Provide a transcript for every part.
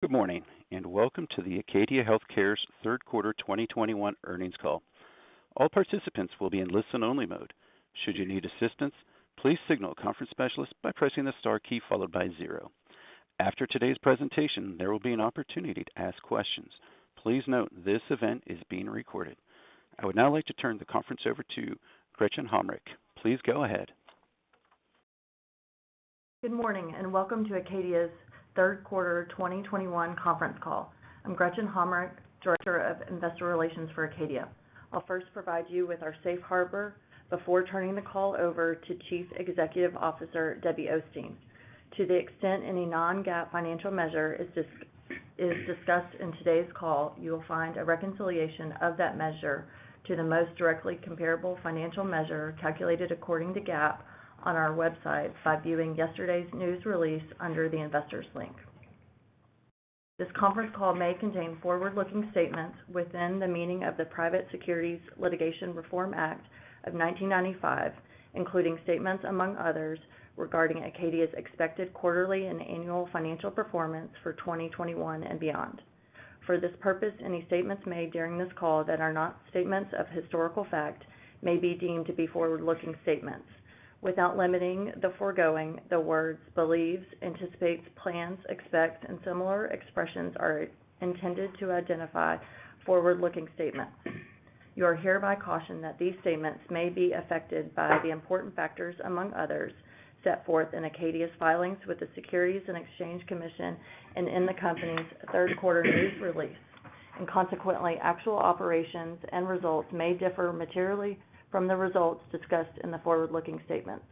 Good morning, and welcome to the Acadia Healthcare's Q3 2021 earnings call. All participants will be in listen-only mode. Should you need assistance, please signal a conference specialist by pressing the star key followed by zero. After today's presentation, there will be an opportunity to ask questions. Please note this event is being recorded. I would now like to turn the conference over to Gretchen Hommrich. Please go ahead. Good morning, and welcome to Acadia's Q3 2021 conference call. I'm Gretchen Hommrich, Director of Investor Relations for Acadia. I'll first provide you with our safe harbor before turning the call over to Chief Executive Officer, Debbie Osteen. To the extent any non-GAAP financial measure is discussed in today's call, you will find a reconciliation of that measure to the most directly comparable financial measure calculated according to GAAP on our website by viewing yesterday's news release under the Investors link. This conference call may contain forward-looking statements within the meaning of the Private Securities Litigation Reform Act of 1995, including statements among others regarding Acadia's expected quarterly and annual financial performance for 2021 and beyond. For this purpose, any statements made during this call that are not statements of historical fact may be deemed to be forward-looking statements. Without limiting the foregoing, the words believes, anticipates, plans, expect, and similar expressions are intended to identify forward-looking statements. You are hereby cautioned that these statements may be affected by the important factors, among others, set forth in Acadia's filings with the Securities and Exchange Commission and in the company's Q3 news release, and consequently, actual operations and results may differ materially from the results discussed in the forward-looking statements.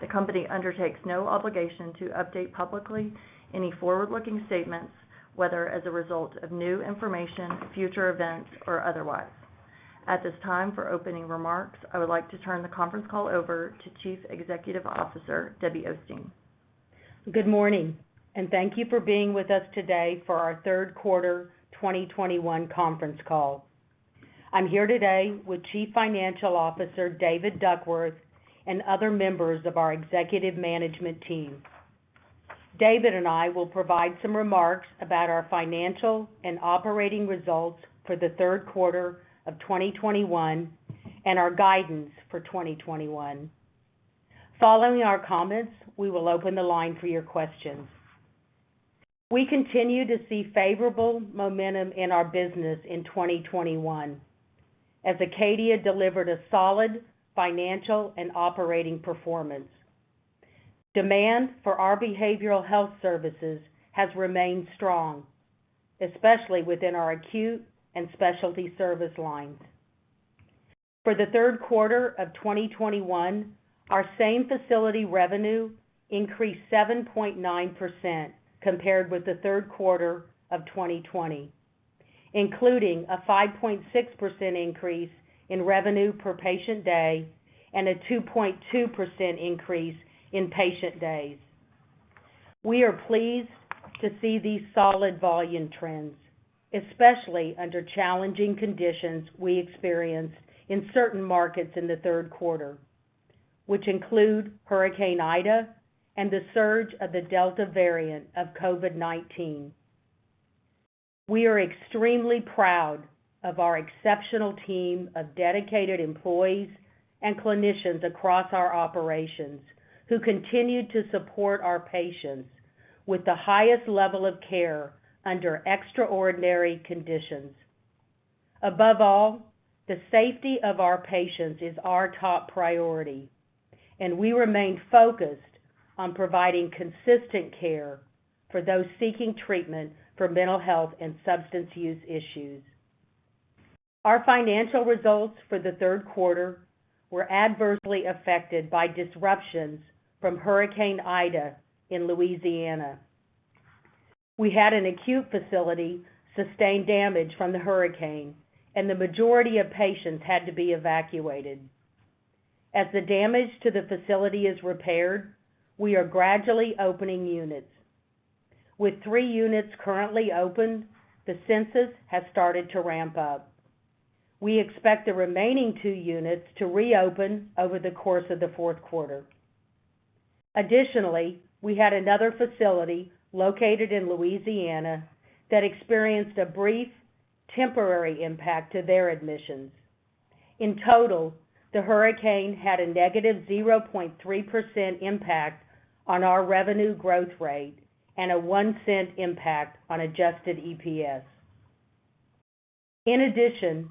The company undertakes no obligation to update publicly any forward-looking statements, whether as a result of new information, future events, or otherwise. At this time, for opening remarks, I would like to turn the conference call over to Chief Executive Officer, Debbie Osteen. Good morning, and thank you for being with us today for our Q3 2021 conference call. I'm here today with Chief Financial Officer David Duckworth, and other members of our executive management team. David and I will provide some remarks about our financial and operating results for the Q3 of 2021 and our guidance for 2021. Following our comments, we will open the line for your questions. We continue to see favorable momentum in our business in 2021 as Acadia delivered a solid financial and operating performance. Demand for our behavioral health services has remained strong, especially within our acute and specialty service lines. For the Q3 of 2021, our same facility revenue increased 7.9% compared with the Q3 of 2020, including a 5.6% increase in revenue per patient day and a 2.2% increase in patient days. We are pleased to see these solid volume trends, especially under challenging conditions we experienced in certain markets in the Q3, which include Hurricane Ida and the surge of the Delta variant of COVID-19. We are extremely proud of our exceptional team of dedicated employees and clinicians across our operations who continued to support our patients with the highest level of care under extraordinary conditions. Above all, the safety of our patients is our top priority, and we remain focused on providing consistent care for those seeking treatment for mental health and substance use issues. Our financial results for the Q3 were adversely affected by disruptions from Hurricane Ida in Louisiana. We had an acute facility sustain damage from the hurricane and the majority of patients had to be evacuated. As the damage to the facility is repaired, we are gradually opening units. With 3 units currently open, the census has started to ramp up. We expect the remaining 2 units to reopen over the course of the Q4. Additionally, we had another facility located in Louisiana that experienced a brief temporary impact to their admissions. In total, the hurricane had a -0.3% impact on our revenue growth rate and a $0.01 impact on adjusted EPS. In addition,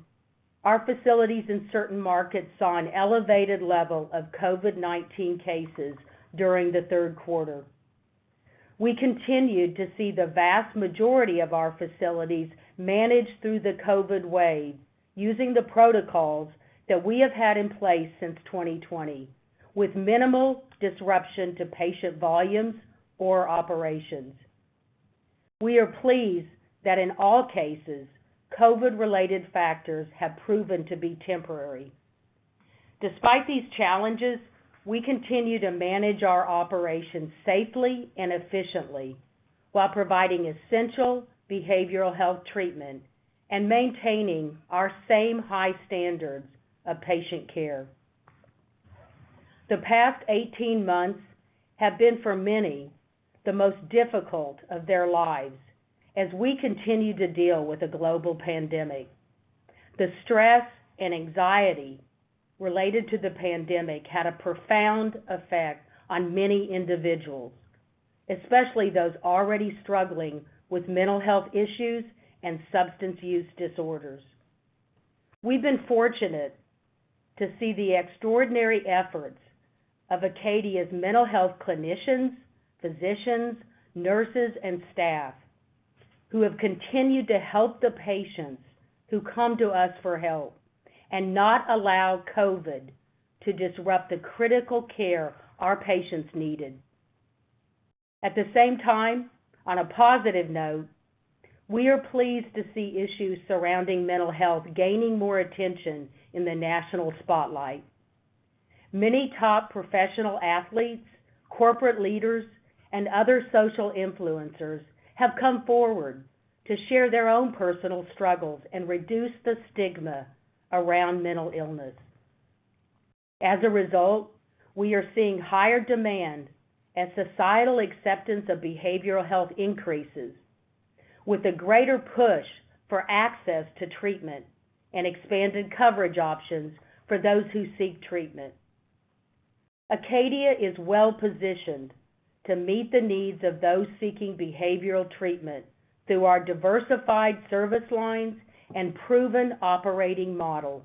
our facilities in certain markets saw an elevated level of COVID-19 cases during the Q3. We continued to see the vast majority of our facilities manage through the COVID wave using the protocols that we have had in place since 2020 with minimal disruption to patient volumes or operations. We are pleased that in all cases, COVID-related factors have proven to be temporary. Despite these challenges, we continue to manage our operations safely and efficiently while providing essential behavioral health treatment and maintaining our same high standards of patient care. The past 18 months have been, for many, the most difficult of their lives as we continue to deal with the global pandemic. The stress and anxiety related to the pandemic had a profound effect on many individuals, especially those already struggling with mental health issues and substance use disorders. We've been fortunate to see the extraordinary efforts of Acadia's mental health clinicians, physicians, nurses, and staff who have continued to help the patients who come to us for help and not allow COVID to disrupt the critical care our patients needed. At the same time, on a positive note, we are pleased to see issues surrounding mental health gaining more attention in the national spotlight. Many top professional athletes, corporate leaders, and other social influencers have come forward to share their own personal struggles and reduce the stigma around mental illness. As a result, we are seeing higher demand as societal acceptance of behavioral health increases, with a greater push for access to treatment and expanded coverage options for those who seek treatment. Acadia is well-positioned to meet the needs of those seeking behavioral treatment through our diversified service lines and proven operating model.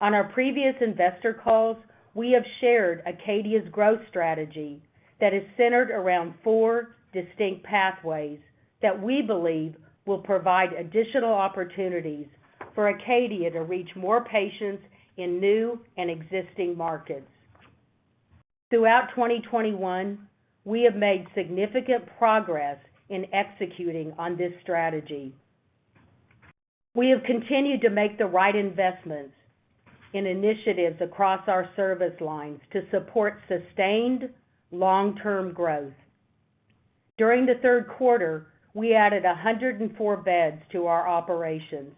On our previous investor calls, we have shared Acadia's growth strategy that is centered around four distinct pathways that we believe will provide additional opportunities for Acadia to reach more patients in new and existing markets. Throughout 2021, we have made significant progress in executing on this strategy. We have continued to make the right investments in initiatives across our service lines to support sustained long-term growth. During the Q3, we added 104 beds to our operations,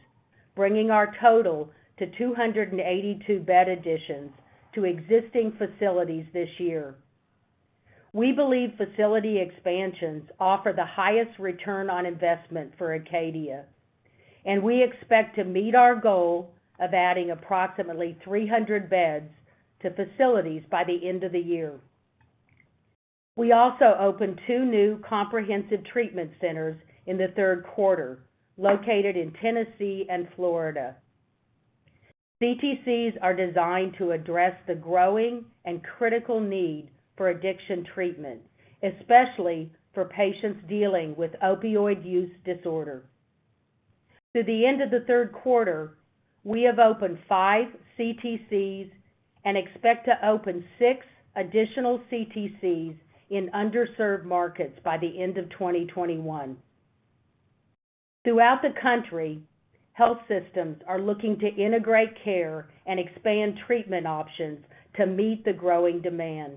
bringing our total to 282 bed additions to existing facilities this year. We believe facility expansions offer the highest return on investment for Acadia, and we expect to meet our goal of adding approximately 300 beds to facilities by the end of the year. We also opened two new comprehensive treatment centers in the Q3, located in Tennessee and Florida. CTCs are designed to address the growing and critical need for addiction treatment, especially for patients dealing with opioid use disorder. Through the end of the Q3, we have opened five CTCs and expect to open six additional CTCs in underserved markets by the end of 2021. Throughout the country, health systems are looking to integrate care and expand treatment options to meet the growing demand.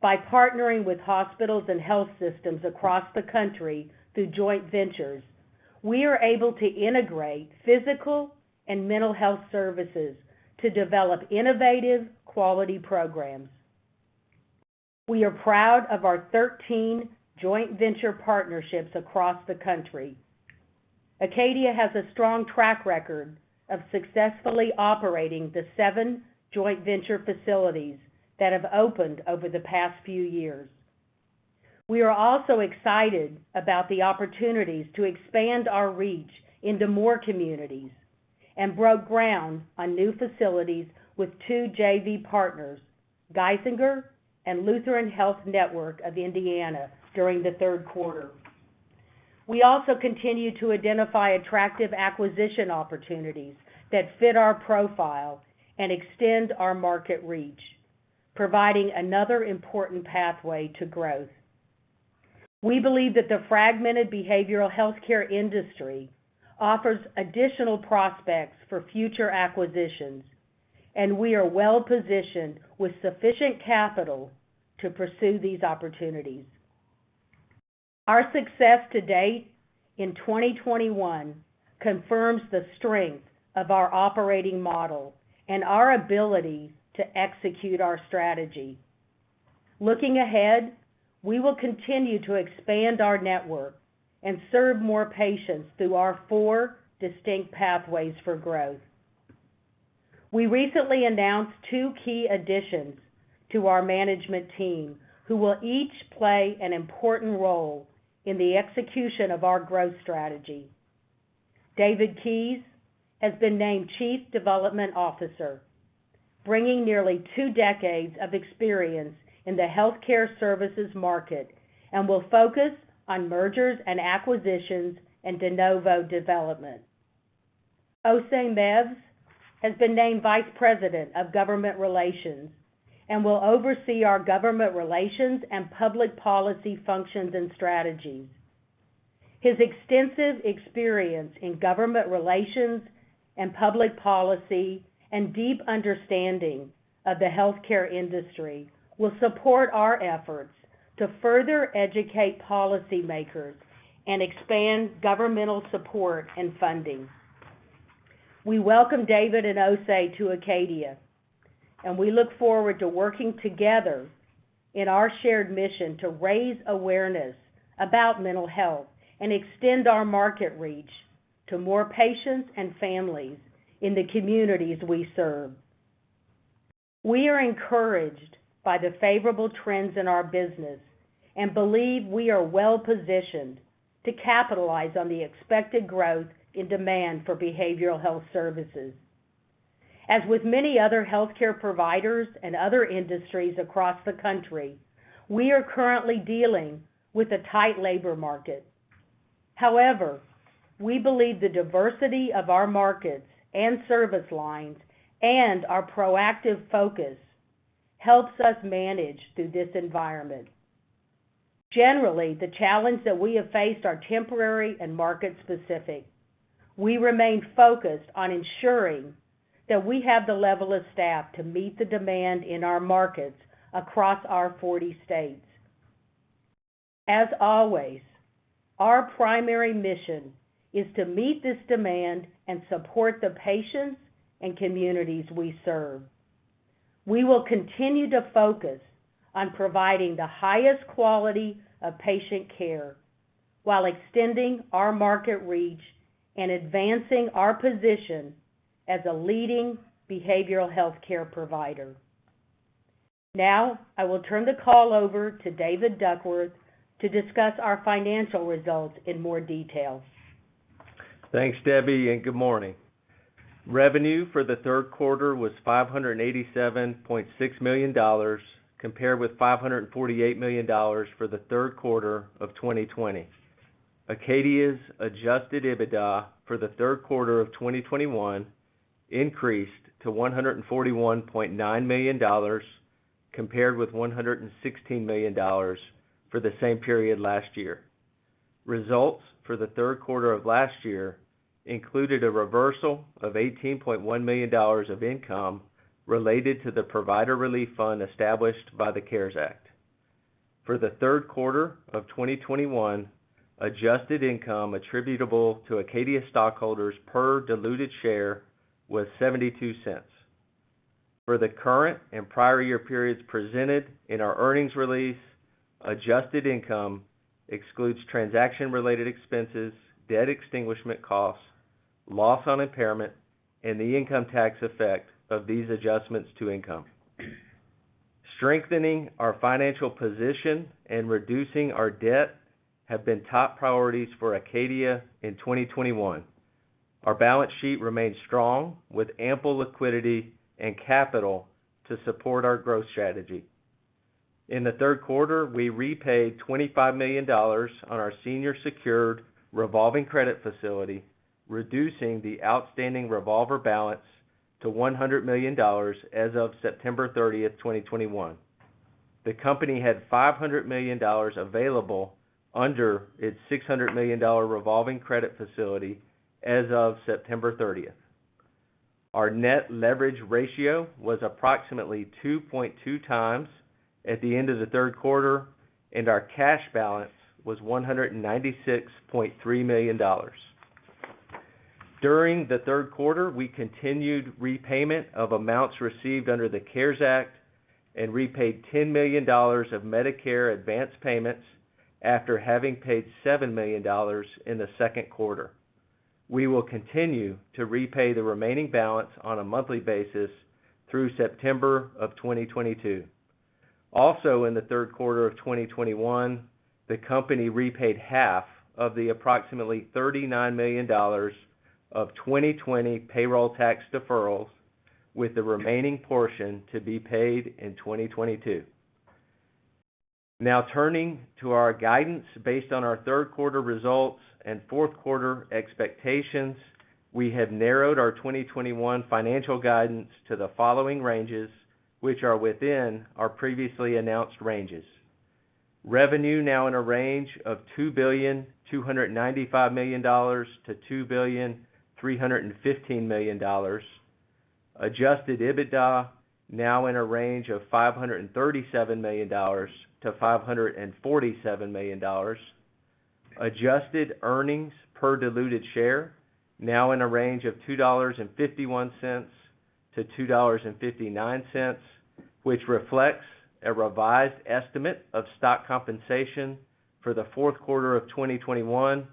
By partnering with hospitals and health systems across the country through joint ventures, we are able to integrate physical and mental health services to develop innovative, quality programs. We are proud of our 13 joint venture partnerships across the country. Acadia has a strong track record of successfully operating the seven joint venture facilities that have opened over the past few years. We are also excited about the opportunities to expand our reach into more communities and broke ground on new facilities with two JV partners, Geisinger and Lutheran Health Network of Indiana, during the Q3. We also continue to identify attractive acquisition opportunities that fit our profile and extend our market reach, providing another important pathway to growth. We believe that the fragmented behavioral healthcare industry offers additional prospects for future acquisitions, and we are well-positioned with sufficient capital to pursue these opportunities. Our success to date in 2021 confirms the strength of our operating model and our ability to execute our strategy. Looking ahead, we will continue to expand our network and serve more patients through our four distinct pathways for growth. We recently announced two key additions to our management team who will each play an important role in the execution of our growth strategy. David Keys has been named Chief Development Officer, bringing nearly two decades of experience in the healthcare services market, and will focus on mergers and acquisitions and de novo development. Osei Mevs has been named Vice President of Government Relations and will oversee our government relations and public policy functions and strategies. His extensive experience in government relations and public policy and deep understanding of the healthcare industry will support our efforts to further educate policymakers and expand governmental support and funding. We welcome David Keys and Osei Mevs to Acadia, and we look forward to working together in our shared mission to raise awareness about mental health and extend our market reach to more patients and families in the communities we serve. We are encouraged by the favorable trends in our business and believe we are well-positioned to capitalize on the expected growth in demand for behavioral health services. As with many other healthcare providers and other industries across the country, we are currently dealing with a tight labor market. However, we believe the diversity of our markets and service lines and our proactive focus helps us manage through this environment. Generally, the challenges that we have faced are temporary and market-specific. We remain focused on ensuring that we have the level of staff to meet the demand in our markets across our 40 states. As always, our primary mission is to meet this demand and support the patients and communities we serve. We will continue to focus on providing the highest quality of patient care while extending our market reach and advancing our position as a leading behavioral healthcare provider. Now, I will turn the call over to David Duckworth to discuss our financial results in more detail. Thanks, Debbie, and good morning. Revenue for the Q3 was $587.6 million, compared with $548 million for the Q3 of 2020. Acadia's adjusted EBITDA for the Q3 of 2021 increased to $141.9 million, compared with $116 million for the same period last year. Results for the Q3 of last year included a reversal of $18.1 million of income related to the Provider Relief Fund established by the CARES Act. For the Q3 of 2021, adjusted income attributable to Acadia stockholders per diluted share was $0.72. For the current and prior year periods presented in our earnings release, adjusted income excludes transaction-related expenses, debt extinguishment costs, loss on impairment, and the income tax effect of these adjustments to income. Strengthening our financial position and reducing our debt have been top priorities for Acadia in 2021. Our balance sheet remains strong, with ample liquidity and capital to support our growth strategy. In the Q3, we repaid $25 million on our senior secured revolving credit facility, reducing the outstanding revolver balance to $100 million as of September 30th, 2021. The company had $500 million available under its $600 million revolving credit facility as of September 30th. Our net leverage ratio was approximately 2.2x at the end of the Q3, and our cash balance was $196.3 million. During the Q3, we continued repayment of amounts received under the CARES Act and repaid $10 million of Medicare advanced payments after having paid $7 million in the Q2. We will continue to repay the remaining balance on a monthly basis through September 2022. Also in the Q3 of 2021, the company repaid half of the approximately $39 million of 2020 payroll tax deferrals, with the remaining portion to be paid in 2022. Now turning to our guidance based on our Q3 results and Q4 expectations, we have narrowed our 2021 financial guidance to the following ranges, which are within our previously announced ranges. Revenue now in a range of $2.295 billion-$2.315 billion. Adjusted EBITDA now in a range of $537 million-$547 million. Adjusted earnings per diluted share now in a range of $2.51-$2.59, which reflects a revised estimate of stock compensation for the Q4 of 2021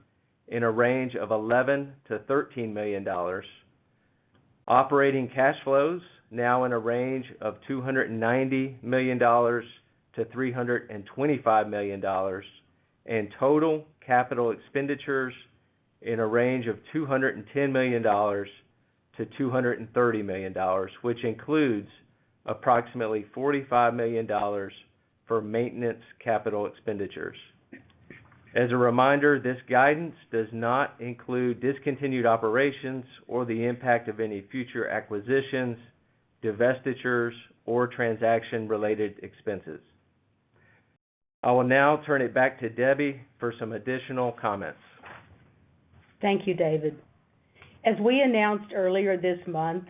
in a range of $11 million-$13 million. Operating cash flows now in a range of $290 million-$325 million. Total capital expenditures in a range of $210 million-$230 million, which includes approximately $45 million for maintenance capital expenditures. As a reminder, this guidance does not include discontinued operations or the impact of any future acquisitions, divestitures, or transaction-related expenses. I will now turn it back to Debbie for some additional comments. Thank you, David. As we announced earlier this month,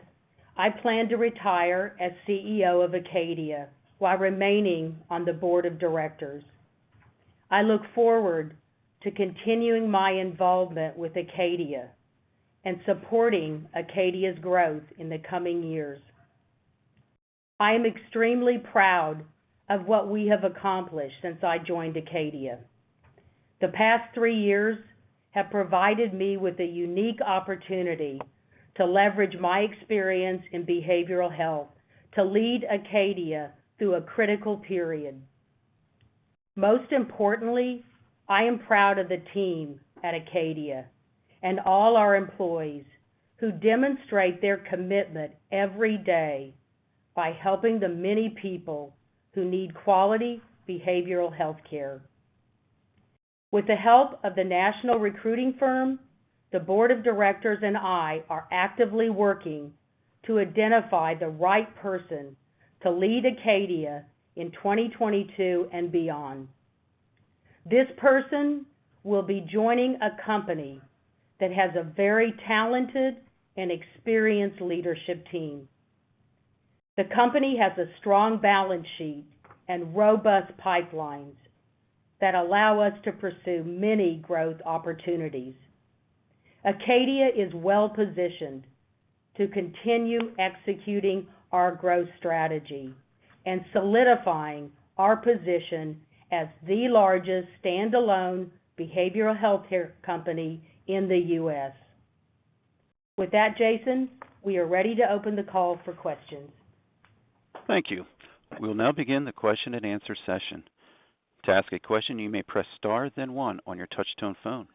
I plan to retire as CEO of Acadia while remaining on the board of directors. I look forward to continuing my involvement with Acadia and supporting Acadia's growth in the coming years. I am extremely proud of what we have accomplished since I joined Acadia. The past three years have provided me with a unique opportunity to leverage my experience in behavioral health to lead Acadia through a critical period. Most importantly, I am proud of the team at Acadia and all our employees who demonstrate their commitment every day by helping the many people who need quality behavioral health care. With the help of the national recruiting firm, the board of directors and I are actively working to identify the right person to lead Acadia in 2022 and beyond. This person will be joining a company that has a very talented and experienced leadership team. The company has a strong balance sheet and robust pipelines that allow us to pursue many growth opportunities. Acadia is well positioned to continue executing our growth strategy and solidifying our position as the largest standalone behavioral healthcare company in the U.S. With that, Jason, we are ready to open the call for questions. Thank you. We'll now begin the question-and-answer session. To ask a question, you may press star, then one on your touch-tone phone.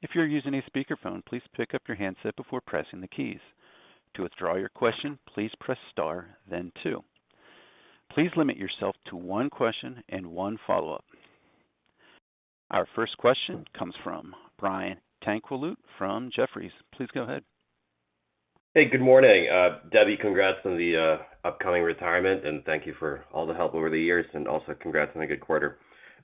If you're using a speakerphone, please pick up your handset before pressing the keys. To withdraw your question, please press star then two. Please limit yourself to one question and one follow-up. Our first question comes from Brian Tanquilut from Jefferies. Please go ahead. Hey, good morning. Debbie, congrats on the upcoming retirement, and thank you for all the help over the years, and also congrats on a good quarter.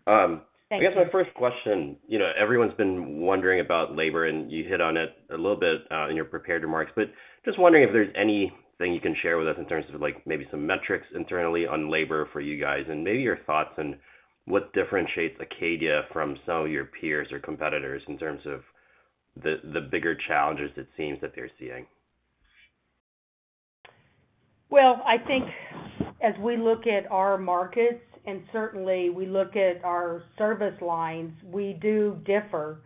Thank you. I guess my first question, you know, everyone's been wondering about labor, and you hit on it a little bit in your prepared remarks, but just wondering if there's anything you can share with us in terms of, like, maybe some metrics internally on labor for you guys and maybe your thoughts on what differentiates Acadia from some of your peers or competitors in terms of the bigger challenges it seems that they're seeing. Well, I think as we look at our markets, and certainly we look at our service lines, we do differ.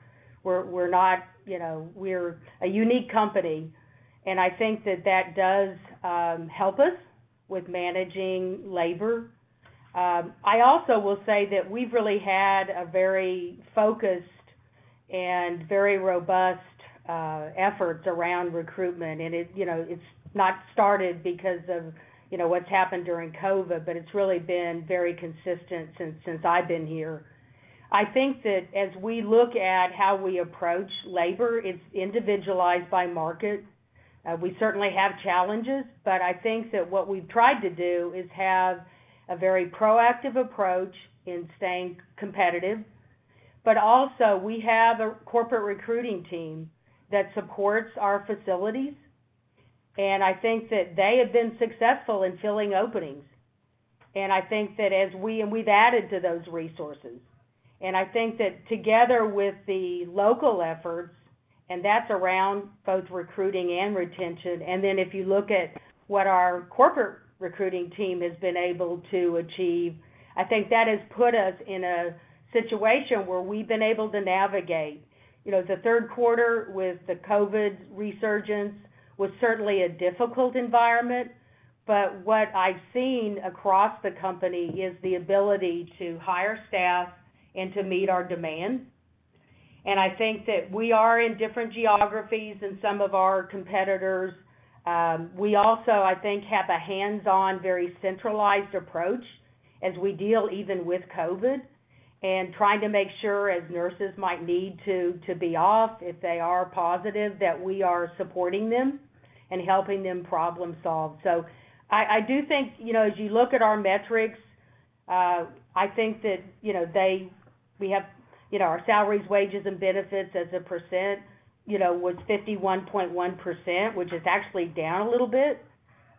We're not, you know, we're a unique company, and I think that does help us with managing labor. I also will say that we've really had a very focused and very robust effort around recruitment. It's not started because of what's happened during COVID, but it's really been very consistent since I've been here. I think that as we look at how we approach labor, it's individualized by market. We certainly have challenges, but I think that what we've tried to do is have a very proactive approach in staying competitive but also we have a corporate recruiting team that supports our facilities, and I think that they have been successful in filling openings. We've added to those resources. I think that together with the local efforts, and that's around both recruiting and retention, and then if you look at what our corporate recruiting team has been able to achieve, I think that has put us in a situation where we've been able to navigate. You know, the Q3 with the COVID resurgence was certainly a difficult environment but what I've seen across the company is the ability to hire staff and to meet our demand. I think that we are in different geographies than some of our competitors. We also, I think, have a hands-on, very centralized approach as we deal even with COVID and trying to make sure as nurses might need to be off if they are positive, that we are supporting them and helping them problem solve. I do think, you know, as you look at our metrics, I think that, you know, we have, you know, our salaries, wages, and benefits as a percent, you know, was 51.1%, which is actually down a little bit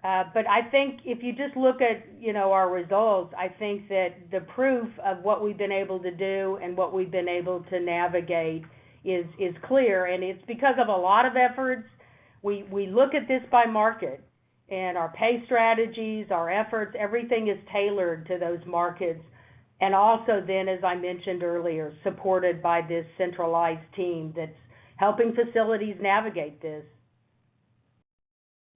but I think if you just look at, you know, our results, I think that the proof of what we've been able to do and what we've been able to navigate is clear, and it's because of a lot of efforts. We look at this by market and our pay strategies, our efforts, everything is tailored to those markets, and also then, as I mentioned earlier, supported by this centralized team that's helping facilities navigate this.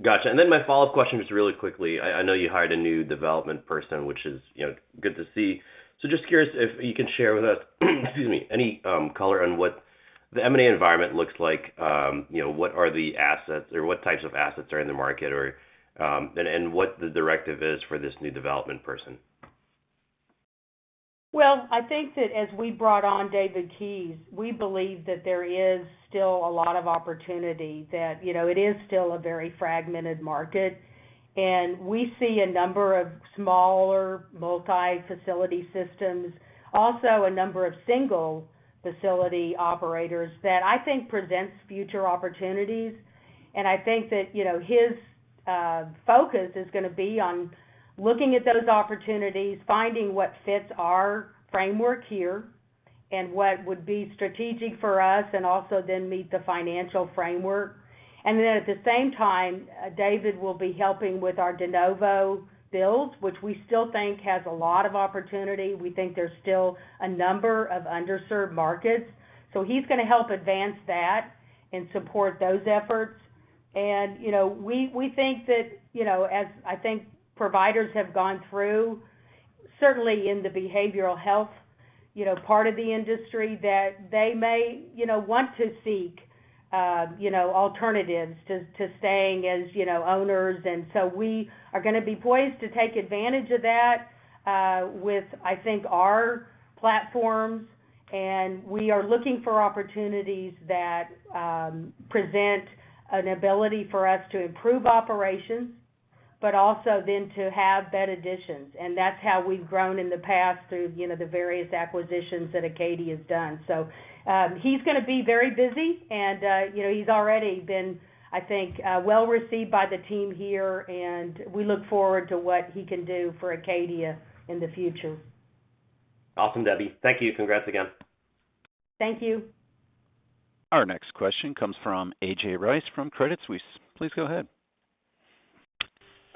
Gotcha. My follow-up question, just really quickly. I know you hired a new development person, which is, you know, good to see. Just curious if you can share with us, excuse me, any color on what the M&A environment looks like, you know, what are the assets or what types of assets are in the market or, and what the directive is for this new development person. Well, I think that as we brought on David Keyes, we believe that there is still a lot of opportunity, that, you know, it is still a very fragmented market. We see a number of smaller multi-facility systems, also a number of single facility operators that I think presents future opportunities. I think that, you know, his focus is gonna be on looking at those opportunities, finding what fits our framework here and what would be strategic for us and also then meet the financial framework. At the same time, David Keyes will be helping with our de novo build, which we still think has a lot of opportunity. We think there's still a number of underserved markets. He's gonna help advance that and support those efforts. You know, we think that, you know, as I think providers have gone through, certainly in the behavioral health, you know, part of the industry, that they may, you know, want to seek, you know, alternatives to staying as, you know, owners. We are gonna be poised to take advantage of that, with, I think, our platforms. We are looking for opportunities that present an ability for us to improve operations, but also then to have bed additions, and that's how we've grown in the past through, you know, the various acquisitions that Acadia has done. He's gonna be very busy, and you know, he's already been, I think, well-received by the team here, and we look forward to what he can do for Acadia in the future. Awesome, Debbie. Thank you. Congrats again. Thank you. Our next question comes from A.J. Rice from Credit Suisse. Please go ahead.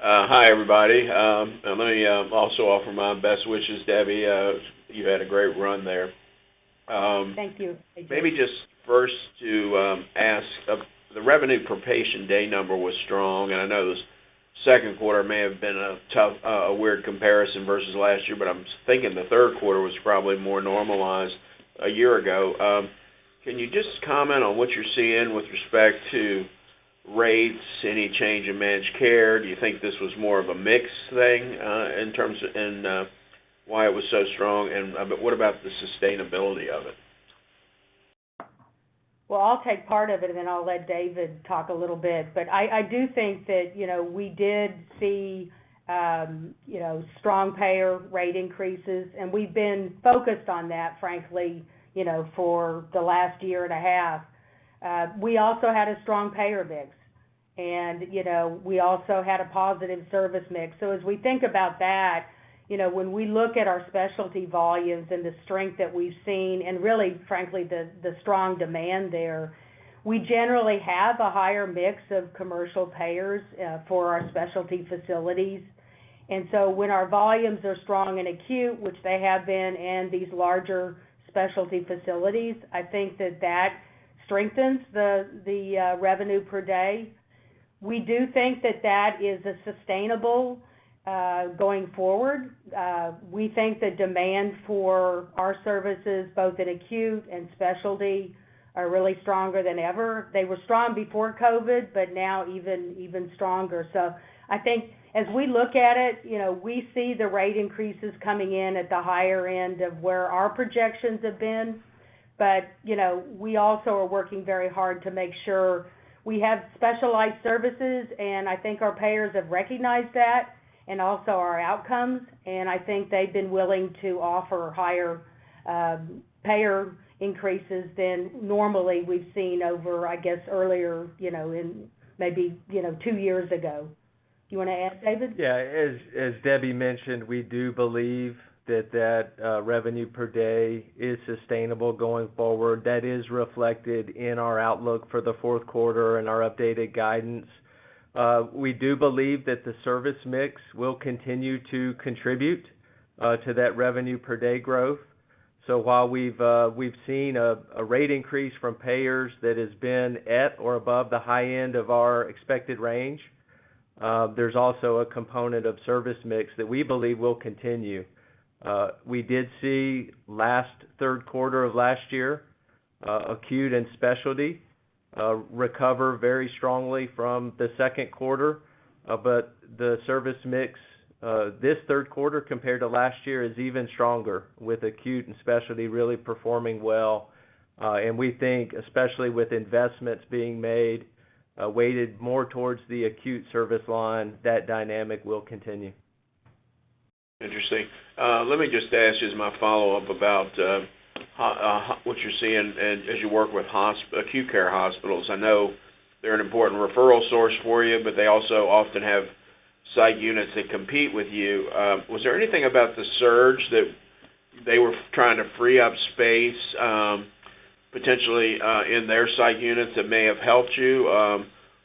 Hi, everybody. Let me also offer my best wishes, Debbie. You had a great run there. Thank you, A.J. Maybe just first to ask, the revenue per patient day number was strong, and I know this Q2 may have been a tough, a weird comparison versus last year, but I'm thinking the Q3 was probably more normalized a year ago. Can you just comment on what you're seeing with respect to rates, any change in managed care? Do you think this was more of a mix thing, and why it was so strong? What about the sustainability of it? Well, I'll take part of it, and then I'll let David talk a little bit. I do think that, you know, we did see, you know, strong payer rate increases, and we've been focused on that, frankly, you know, for the last year and a half. We also had a strong payer mix. You know, we also had a positive service mix. As we think about that, you know, when we look at our specialty volumes and the strength that we've seen and really, frankly, the strong demand there, we generally have a higher mix of commercial payers, for our specialty facilities. When our volumes are strong in acute, which they have been, and these larger specialty facilities, I think that strengthens the, uh, revenue per day. We do think that that is a sustainable, going forward. We think the demand for our services, both in acute and specialty, are really stronger than ever. They were strong before COVID, but now even stronger. I think as we look at it, you know, we see the rate increases coming in at the higher end of where our projections have been. You know, we also are working very hard to make sure we have specialized services, and I think our payers have recognized that and also our outcomes, and I think they've been willing to offer higher payer increases than normally we've seen over, I guess, earlier, you know, in maybe, you know, two years ago. Do you wanna add, David? Yeah. As Debbie mentioned, we do believe that revenue per day is sustainable going forward. That is reflected in our outlook for the Q4 and our updated guidance. We do believe that the service mix will continue to contribute to that revenue per day growth. While we've seen a rate increase from payers that has been at or above the high end of our expected range, there's also a component of service mix that we believe will continue. We did see last Q3 of last year acute and specialty recover very strongly from the Q2. The service mix this Q3 compared to last year is even stronger, with acute and specialty really performing well. We think, especially with investments being made, weighted more towards the acute service line, that dynamic will continue. Interesting. Let me just ask my follow-up about what you're seeing as you work with acute care hospitals. I know they're an important referral source for you, but they also often have psych units that compete with you. Was there anything about the surge that they were trying to free up space potentially in their psych units that may have helped you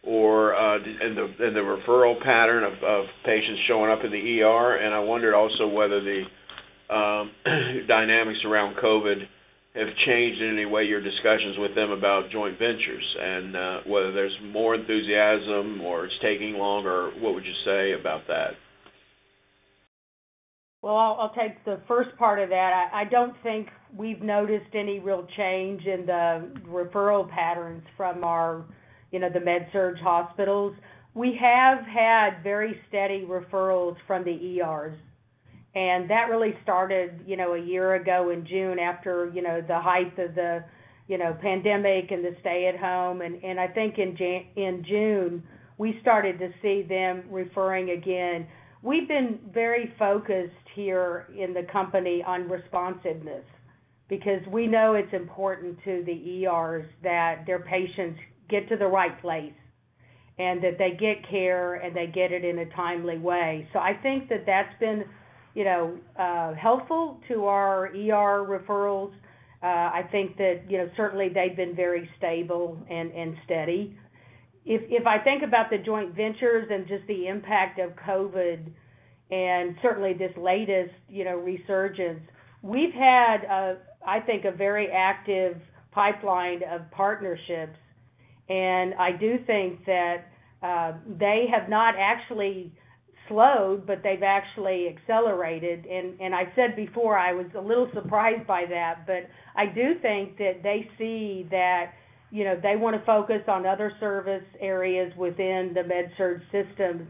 or in the referral pattern of patients showing up in the ER? I wondered also whether the dynamics around COVID have changed in any way your discussions with them about joint ventures and whether there's more enthusiasm or it's taking longer. What would you say about that? Well, I'll take the first part of that. I don't think we've noticed any real change in the referral patterns from our, you know, the med surge hospitals. We have had very steady referrals from the ERs, and that really started, you know, a year ago in June after, you know, the height of the, you know, pandemic and the stay at home. I think in June, we started to see them referring again. We've been very focused here in the company on responsiveness because we know it's important to the ERs that their patients get to the right place, and that they get care, and they get it in a timely way. I think that that's been, you know, helpful to our ER referrals. I think that, you know, certainly they've been very stable and steady. If I think about the joint ventures and just the impact of COVID and certainly this latest, you know, resurgence, we've had I think, a very active pipeline of partnerships and I do think that they have not actually slowed, but they've actually accelerated. I said before, I was a little surprised by that. I do think that they see that, you know, they wanna focus on other service areas within the med surg systems.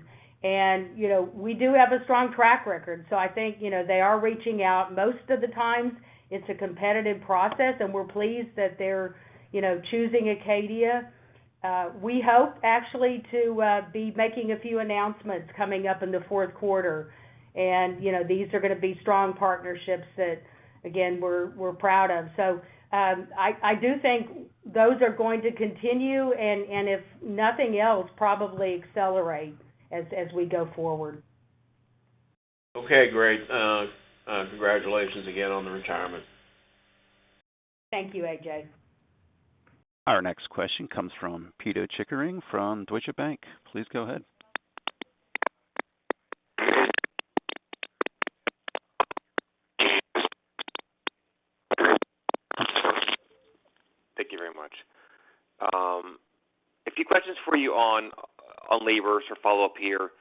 You know, we do have a strong track record. I think, you know, they are reaching out. Most of the times it's a competitive process, and we're pleased that they're, you know, choosing Acadia. We hope actually to be making a few announcements coming up in the Q4. You know, these are gonna be strong partnerships that, again, we're proud of. I do think those are going to continue and if nothing else, probably accelerate as we go forward. Okay, great. Congratulations again on the retirement. Thank you, A.J. Our next question comes from Pito Chickering from Deutsche Bank. Please go ahead. Thank you very much. A few questions for you on labor, sort of follow-up here.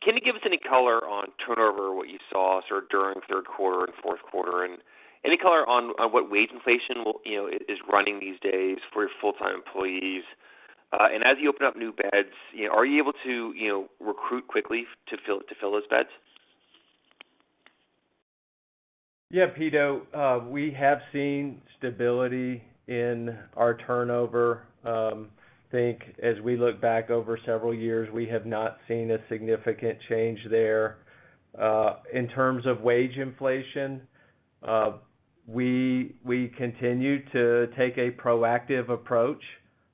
Can you give us any color on turnover, what you saw sort of during Q3 and Q4? Any color on what wage inflation you know is running these days for your full-time employees? As you open up new beds, are you able to, you know, recruit quickly to fill those beds? Yeah, Pito, we have seen stability in our turnover. I think as we look back over several years, we have not seen a significant change there. In terms of wage inflation, we continue to take a proactive approach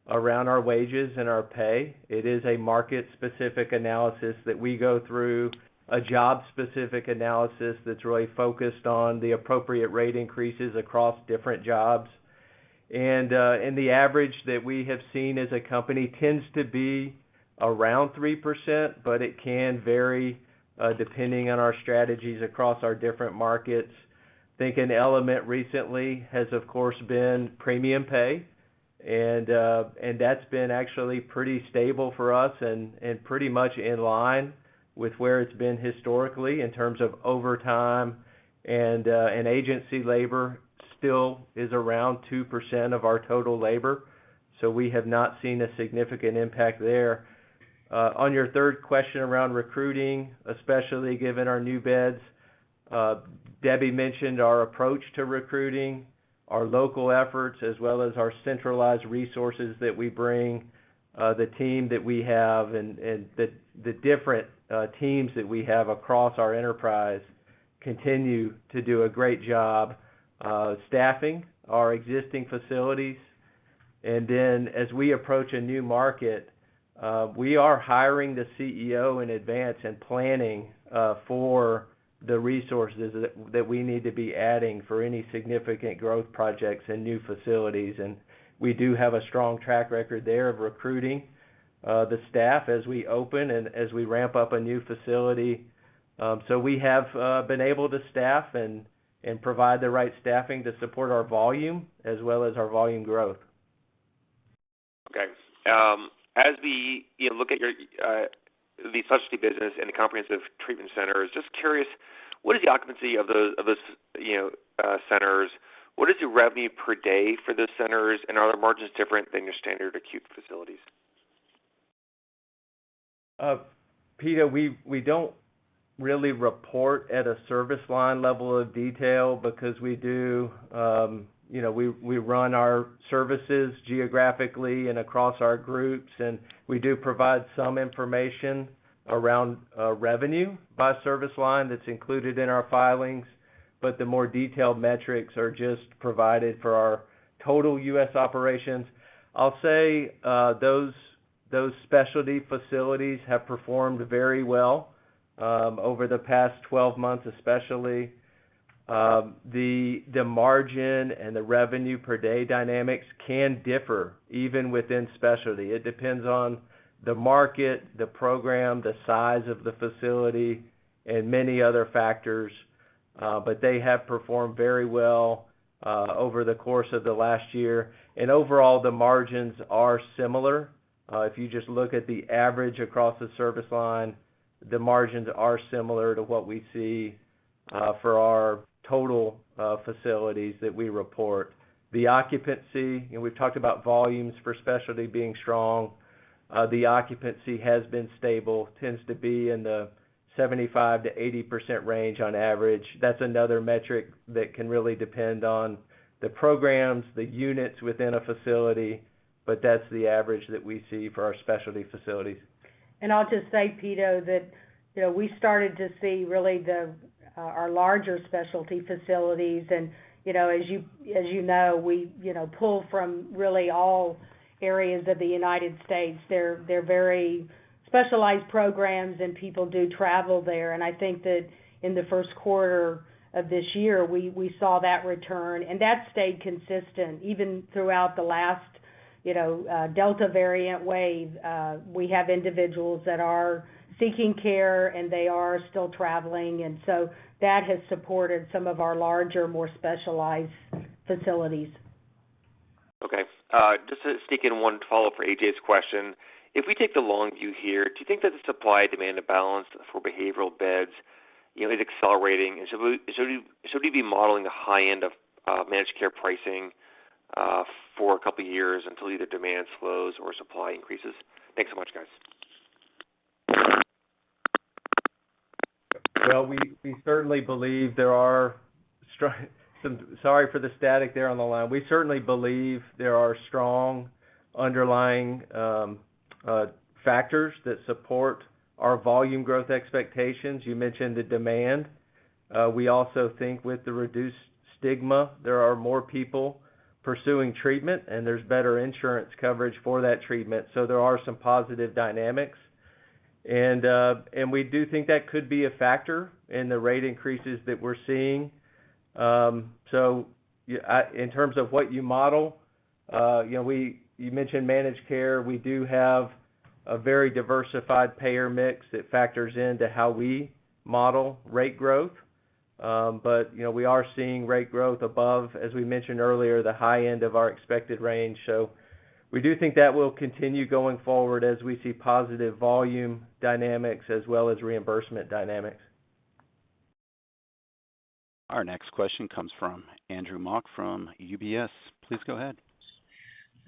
around our wages and our pay. It is a market-specific analysis that we go through, a job-specific analysis that's really focused on the appropriate rate increases across different jobs. The average that we have seen as a company tends to be around 3%, but it can vary, depending on our strategies across our different markets. I think an element recently has, of course, been premium pay, and that's been actually pretty stable for us and pretty much in line with where it's been historically in terms of overtime. Agency labor still is around 2% of our total labor, so we have not seen a significant impact there. On your third question around recruiting, especially given our new beds, Debbie mentioned our approach to recruiting, our local efforts, as well as our centralized resources that we bring. The team that we have and the different teams that we have across our enterprise continue to do a great job staffing our existing facilities. As we approach a new market, we are hiring the CEO in advance and planning for the resources that we need to be adding for any significant growth projects and new facilities. We do have a strong track record there of recruiting the staff as we open and as we ramp up a new facility. We have been able to staff and provide the right staffing to support our volume as well as our volume growth. Okay. As we, you know, look at your the specialty business and the Comprehensive Treatment Centers, just curious, what is the occupancy of those, you know, centers? What is the revenue per day for those centers, and are their margins different than your standard acute facilities? Pito, we don't really report at a service line level of detail because we do, you know, we run our services geographically and across our groups. We do provide some information around revenue by service line that's included in our filings, but the more detailed metrics are just provided for our total U.S. operations. I'll say, those specialty facilities have performed very well over the past 12 months, especially. The margin and the revenue per day dynamics can differ even within specialty. It depends on the market, the program, the size of the facility, and many other factors. They have performed very well over the course of the last year. Overall, the margins are similar. If you just look at the average across the service line, the margins are similar to what we see for our total facilities that we report. The occupancy, you know, we've talked about volumes for specialty being strong. The occupancy has been stable, tends to be in the 75%-80% range on average. That's another metric that can really depend on the programs, the units within a facility, but that's the average that we see for our specialty facilities. I'll just say, Pito, that, you know, we started to see really our larger specialty facilities. You know, as you know, we you know pull from really all areas of the United States. They're very specialized programs, and people do travel there. I think that in the Q1 of this year, we saw that return. That stayed consistent even throughout the last, you know, Delta variant wave. We have individuals that are seeking care, and they are still traveling. That has supported some of our larger, more specialized facilities. Okay. Just to sneak in one follow-up for A.J.'s question. If we take the long view here, do you think that the supply-demand imbalance for behavioral beds, you know, is accelerating? Should we be modeling the high end of managed care pricing for a couple years until either demand slows or supply increases? Thanks so much, guys. Well, we certainly believe there are some, sorry for the static there on the line. We certainly believe there are strong underlying factors that support our volume growth expectations. You mentioned the demand. We also think with the reduced stigma, there are more people pursuing treatment, and there's better insurance coverage for that treatment. There are some positive dynamics. We do think that could be a factor in the rate increases that we're seeing. In terms of what you model, you know, you mentioned managed care. We do have a very diversified payer mix that factors into how we model rate growth. You know, we are seeing rate growth above, as we mentioned earlier, the high end of our expected range. We do think that will continue going forward as we see positive volume dynamics as well as reimbursement dynamics. Our next question comes from Andrew Mok from UBS. Please go ahead.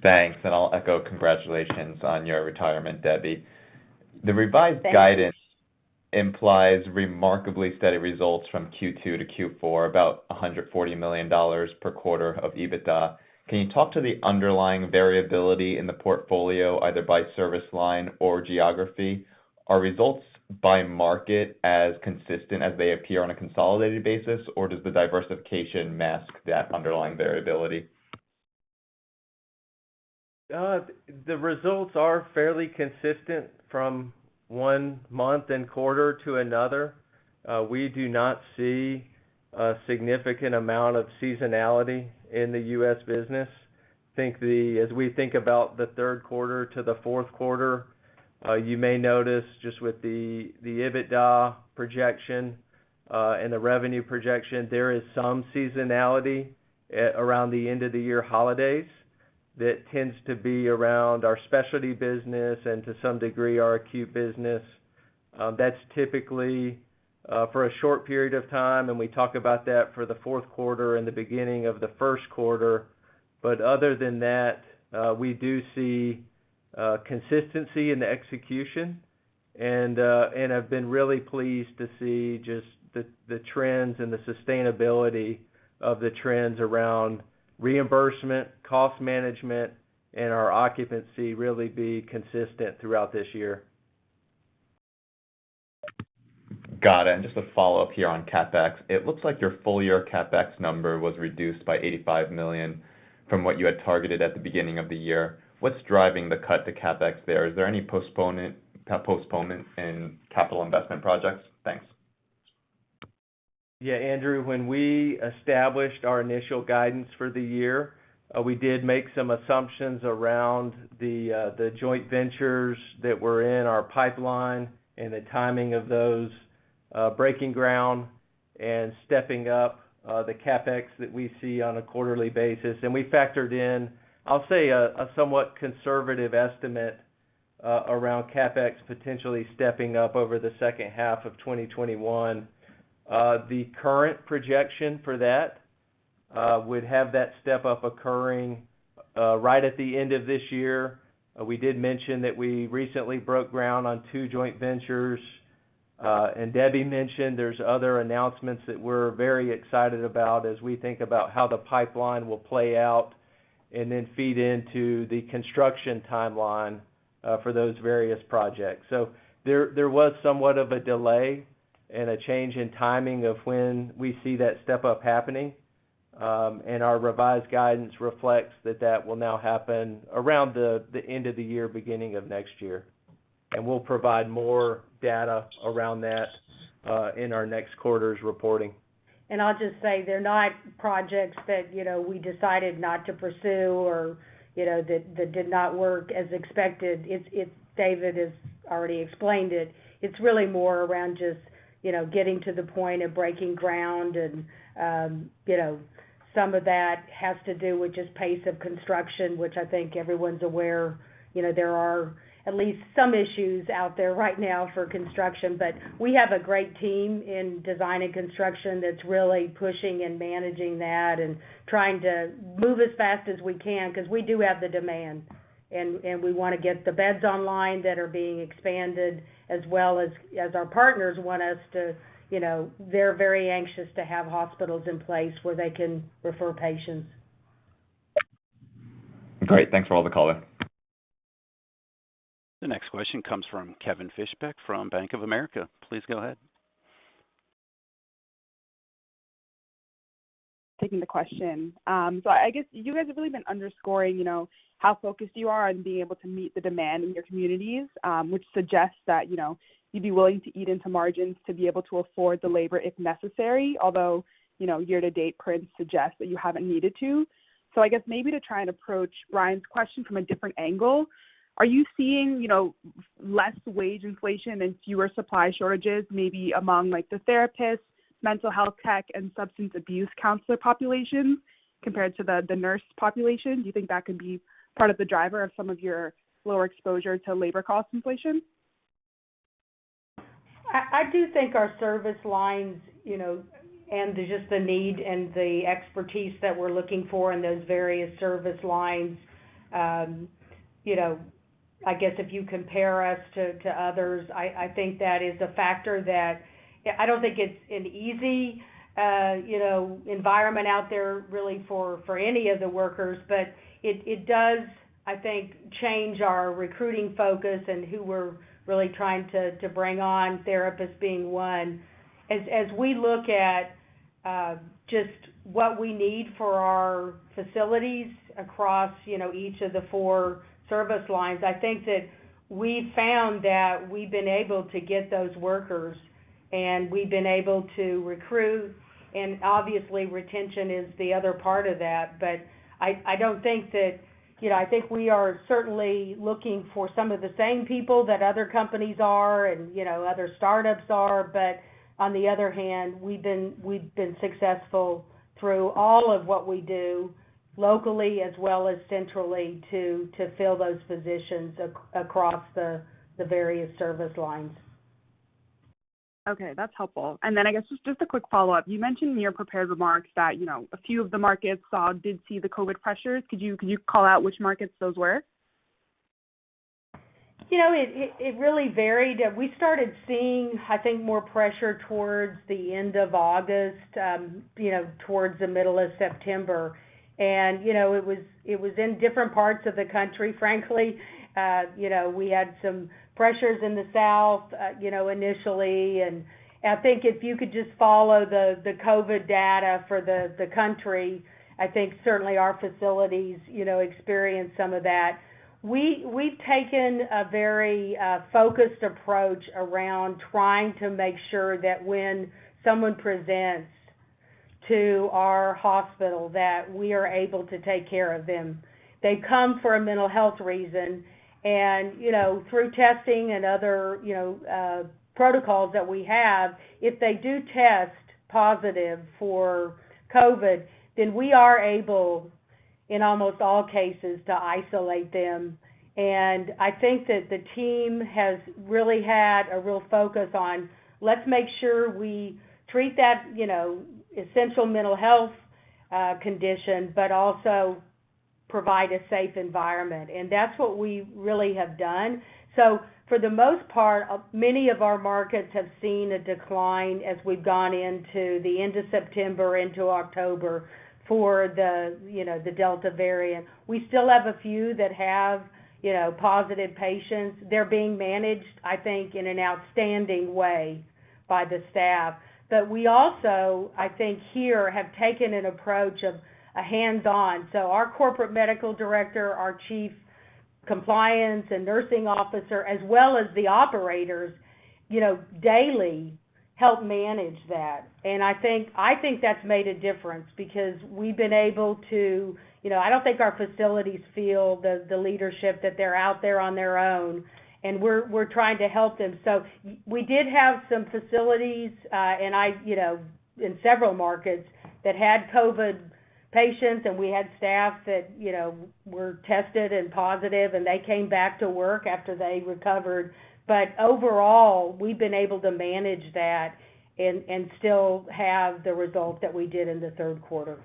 Thanks. I'll echo congratulations on your retirement, Debbie. Thanks. The revised guidance implies remarkably steady results from Q2 to Q4, about $140 million per quarter of EBITDA. Can you talk to the underlying variability in the portfolio, either by service line or geography? Are results by market as consistent as they appear on a consolidated basis, or does the diversification mask that underlying variability? The results are fairly consistent from one month and quarter to another. We do not see a significant amount of seasonality in the U.S. business. As we think about the Q3 to the Q4, you may notice just with the EBITDA projection and the revenue projection, there is some seasonality at around the end of the year holidays that tends to be around our specialty business and to some degree our acute business. That's typically for a short period of time, and we talk about that for the Q4 and the beginning of the Q1. Other than that, we do see consistency in the execution and I've been really pleased to see just the trends and the sustainability of the trends around reimbursement, cost management and our occupancy really be consistent throughout this year. Got it. Just a follow-up here on CapEx. It looks like your full-year CapEx number was reduced by $85 million from what you had targeted at the beginning of the year. What's driving the cut to CapEx there? Is there any postponement in capital investment projects? Thanks. Yeah, Andrew, when we established our initial guidance for the year, we did make some assumptions around the joint ventures that were in our pipeline and the timing of those, breaking ground and stepping up, the CapEx that we see on a quarterly basis. We factored in, I'll say, a somewhat conservative estimate around CapEx potentially stepping up over the H2 of 2021. The current projection for that would have that step-up occurring right at the end of this year. We did mention that we recently broke ground on two joint ventures. Debbie mentioned there's other announcements that we're very excited about as we think about how the pipeline will play out and then feed into the construction timeline for those various projects. There was somewhat of a delay and a change in timing of when we see that step-up happening. Our revised guidance reflects that will now happen around the end of the year, beginning of next year. We'll provide more data around that in our next quarter's reporting. I'll just say they're not projects that, you know, we decided not to pursue or, you know, that did not work as expected. It's. David has already explained it. It's really more around just, you know, getting to the point of breaking ground and, you know, some of that has to do with just pace of construction, which I think everyone's aware. You know, there are at least some issues out there right now for construction. But we have a great team in design and construction that's really pushing and managing that and trying to move as fast as we can because we do have the demand. We wanna get the beds online that are being expanded as well as our partners want us to, you know, they're very anxious to have hospitals in place where they can refer patients. Great. Thanks for all the color. The next question comes from Kevin Fischbeck from Bank of America. Please go ahead. Taking the question. I guess you guys have really been underscoring, you know, how focused you are on being able to meet the demand in your communities, which suggests that, you know, you'd be willing to eat into margins to be able to afford the labor if necessary. Although, you know, year-to-date prints suggest that you haven't needed to. I guess maybe to try and approach Brian question from a different angle, are you seeing, you know, less wage inflation and fewer supply shortages maybe among, like, the therapists, mental health tech, and substance abuse counselor population compared to the nurse population? Do you think that could be part of the driver of some of your lower exposure to labor cost inflation? I do think our service lines, you know, and just the need and the expertise that we're looking for in those various service lines, you know, I guess if you compare us to others, I think that is a factor that I don't think it's an easy, you know, environment out there really for any of the workers, but it does, I think, change our recruiting focus and who we're really trying to bring on, therapists being one. As we look at just what we need for our facilities across, you know, each of the four service lines, I think that we found that we've been able to get those workers, and we've been able to recruit, and obviously retention is the other part of that. I don't think that. You know, I think we are certainly looking for some of the same people that other companies are and, you know, other startups are, but on the other hand, we've been successful through all of what we do locally as well as centrally to fill those positions across the various service lines. Okay. That's helpful. I guess just a quick follow-up. You mentioned in your prepared remarks that, you know, a few of the markets did see the COVID pressures. Could you call out which markets those were? You know, it really varied. We started seeing, I think, more pressure towards the end of August, you know, towards the middle of September. You know, it was in different parts of the country, frankly. You know, we had some pressures in the south, you know, initially. I think if you could just follow the COVID data for the country, I think certainly our facilities, you know, experienced some of that. We've taken a very focused approach around trying to make sure that when someone presents to our hospital that we are able to take care of them. They come for a mental health reason and, you know, through testing and other, you know, protocols that we have, if they do test positive for COVID, then we are able, in almost all cases, to isolate them. I think that the team has really had a real focus on let's make sure we treat that, you know, essential mental health condition, but also provide a safe environment, and that's what we really have done. For the most part, many of our markets have seen a decline as we've gone into the end of September into October for the, you know, the Delta variant. We still have a few that have, you know, positive patients. They're being managed, I think, in an outstanding way by the staff. We also, I think, here have taken an approach of a hands-on. Our Corporate Medical Director, our Chief Compliance and Nursing Officer, as well as the operators, you know, daily help manage that. I think that's made a difference because we've been able to. You know, I don't think our facilities feel the leadership that they're out there on their own, and we're trying to help them. We did have some facilities, you know, in several markets, that had COVID patients, and we had staff that, you know, were tested and positive, and they came back to work after they recovered but overall, we've been able to manage that and still have the results that we did in the Q3.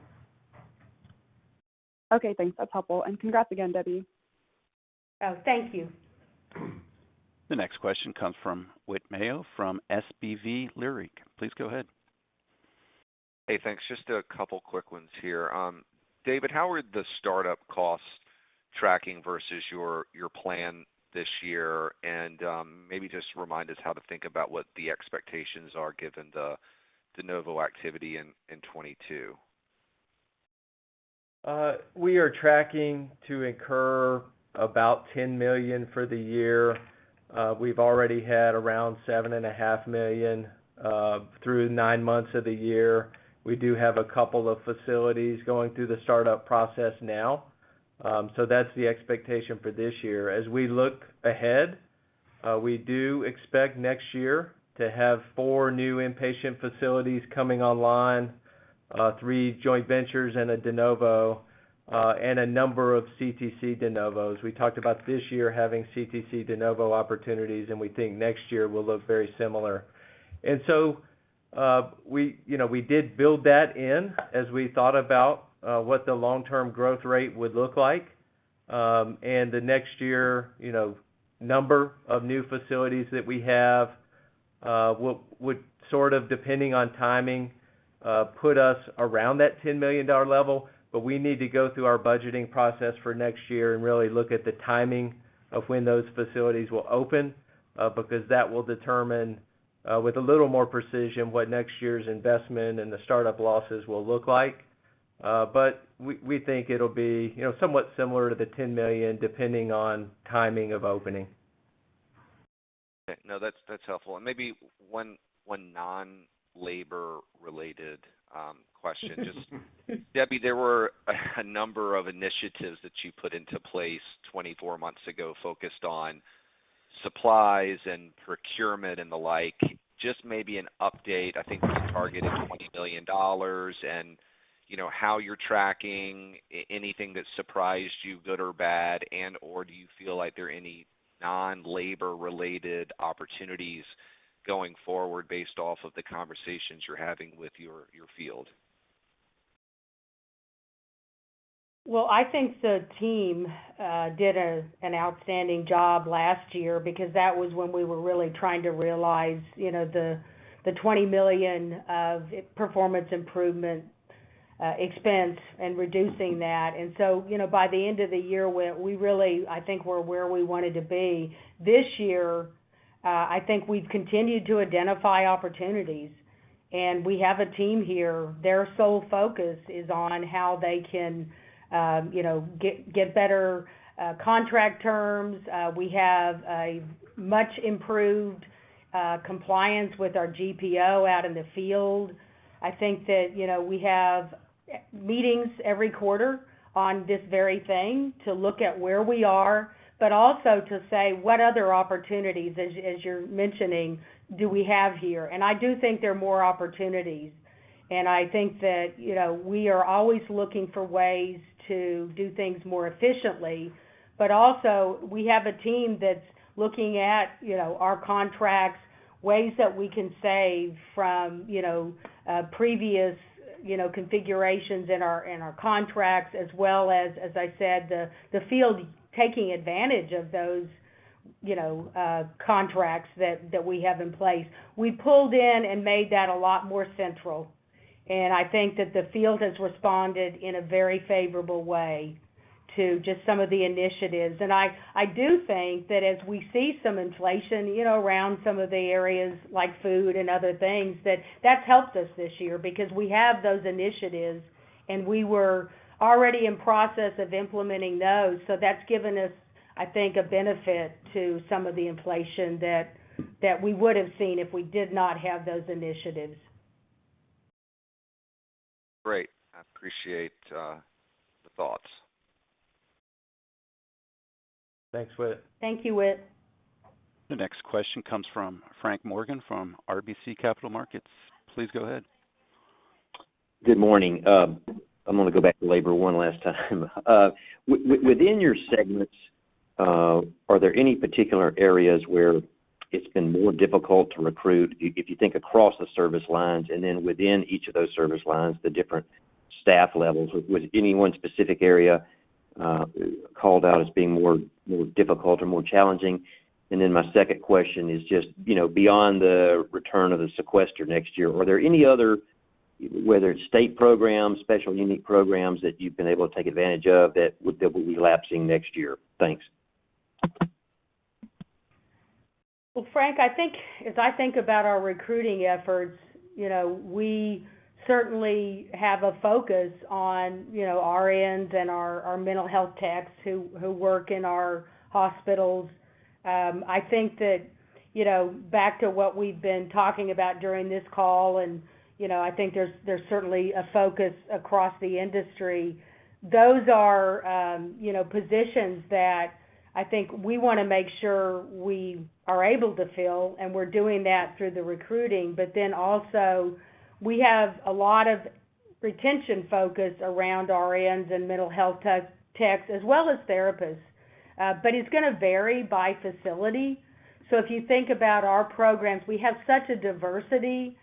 Okay, thanks. That's helpful. Congrats again, Debbie. Oh, thank you. The next question comes from Whit Mayo from SVB Leerink. Please go ahead. Hey, thanks. Just a couple quick ones here. David, how are the startup costs tracking versus your plan this year? Maybe just remind us how to think about what the expectations are given the de novo activity in 2022. We are tracking to incur about $10 million for the year. We've already had around $7.5 million through nine months of the year. We do have a couple of facilities going through the startup process now, so that's the expectation for this year. As we look ahead, we do expect next year to have four new inpatient facilities coming online, three joint ventures and a de novo, and a number of CTC de novos. We talked about this year having CTC de novo opportunities, and we think next year will look very similar. We, you know, did build that in as we thought about what the long-term growth rate would look like. The next year, you know, number of new facilities that we have would sort of, depending on timing, put us around that $10 million level. We need to go through our budgeting process for next year and really look at the timing of when those facilities will open, because that will determine, with a little more precision, what next year's investment and the startup losses will look like. We think it'll be, you know, somewhat similar to the $10 million, depending on timing of opening. Okay. No, that's helpful. Maybe one non-labor related question. Just, Debbie, there were a number of initiatives that you put into place 24 months ago focused on supplies and procurement and the like, just maybe an update, I think you targeted $20 million and, you know, how you're tracking anything that surprised you, good or bad, and/or do you feel like there are any non-labor related opportunities going forward based off of the conversations you're having with your field? Well, I think the team did an outstanding job last year because that was when we were really trying to realize, you know, the $20 million of performance improvement expense and reducing that. You know, by the end of the year, we really, I think we're where we wanted to be. This year, I think we've continued to identify opportunities, and we have a team here, their sole focus is on how they can, you know, get better contract terms. We have a much improved compliance with our GPO out in the field. I think that, you know, we have meetings every quarter on this very thing to look at where we are, but also to say what other opportunities, as you're mentioning, do we have here. I do think there are more opportunities. I think that, you know, we are always looking for ways to do things more efficiently. Also we have a team that's looking at, you know, our contracts, ways that we can save from, you know, previous configurations in our contracts, as well as I said, the field taking advantage of those, you know, contracts that we have in place. We pulled in and made that a lot more central. I think that the field has responded in a very favorable way to just some of the initiatives. I do think that as we see some inflation, you know, around some of the areas like food and other things, that that's helped us this year because we have those initiatives, and we were already in process of implementing those. That's given us, I think, a benefit to some of the inflation that we would have seen if we did not have those initiatives. Great. I appreciate the thoughts. Thanks, Whit. Thank you, Whit. The next question comes from Frank Morgan from RBC Capital Markets. Please go ahead. Good morning. I'm gonna go back to labor one last time. Within your segments, are there any particular areas where it's been more difficult to recruit, if you think across the service lines and then within each of those service lines, the different staff levels, would any one specific area called out as being more difficult or more challenging? My second question is just, you know, beyond the return of the sequester next year, are there any other, whether it's state programs, special unique programs that you've been able to take advantage of that will be lapsing next year? Thanks. Well, Frank, I think about our recruiting efforts, you know, we certainly have a focus on, you know, RNs and our mental health techs who work in our hospitals. I think that, you know, back to what we've been talking about during this call and, you know, I think there's certainly a focus across the industry. Those are, you know, positions that I think we wanna make sure we are able to fill, and we're doing that through the recruiting. But then also, we have a lot of retention focus around RNs and mental health techs as well as therapists. It's gonna vary by facility. If you think about our programs, we have such a diversity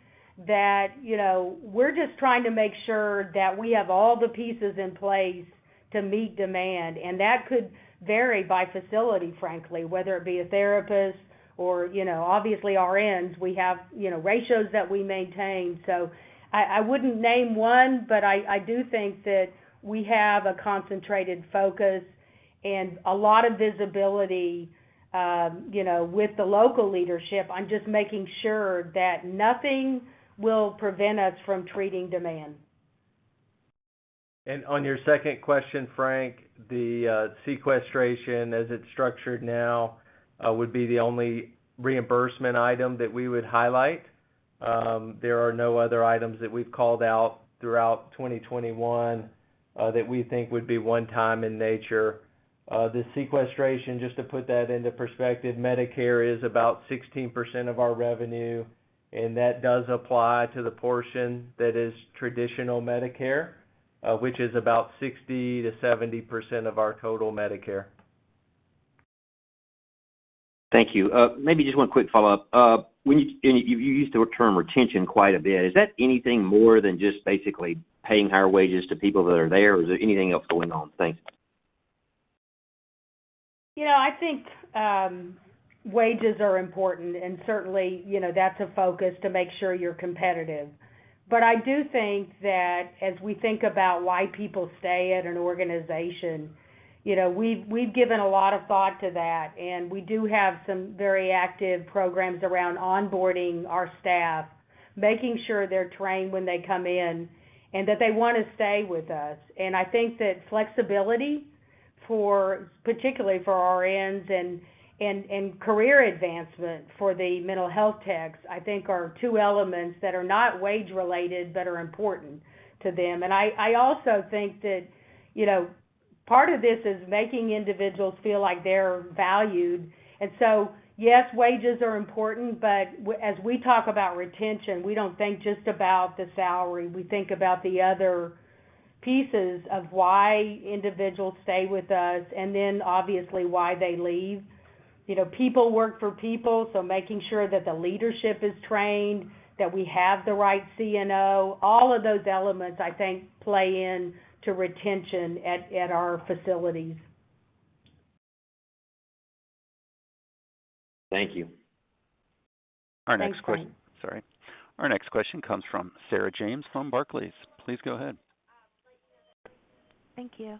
that, you know, we're just trying to make sure that we have all the pieces in place to meet demand, and that could vary by facility, frankly, whether it be a therapist or, you know, obviously RNs, we have, you know, ratios that we maintain. I wouldn't name one, but I do think that we have a concentrated focus and a lot of visibility, you know, with the local leadership on just making sure that nothing will prevent us from treating demand. On your second question, Frank, the sequestration as it's structured now would be the only reimbursement item that we would highlight. There are no other items that we've called out throughout 2021 that we think would be one-time in nature. The sequestration, just to put that into perspective, Medicare is about 16% of our revenue, and that does apply to the portion that is traditional Medicare, which is about 60%-70% of our total Medicare. Thank you. Maybe just one quick follow-up. You used the term retention quite a bit. Is that anything more than just basically paying higher wages to people that are there? Is there anything else going on? Thanks. You know, I think wages are important and certainly, you know, that's a focus to make sure you're competitive. I do think that as we think about why people stay at an organization, you know, we've given a lot of thought to that, and we do have some very active programs around onboarding our staff, making sure they're trained when they come in and that they wanna stay with us. I think that flexibility for, particularly for our RNs and career advancement for the mental health techs, I think are two elements that are not wage related, but are important to them. I also think that, you know, part of this is making individuals feel like they're valued. Yes, wages are important, but as we talk about retention, we don't think just about the salary, we think about the other pieces of why individuals stay with us and then obviously why they leave. You know, people work for people, so making sure that the leadership is trained, that we have the right CNO, all of those elements I think play in to retention at our facilities. Thank you. Our next. Thanks, Frank. Sorry. Our next question comes from Sarah James from Barclays. Please go ahead. Thank you.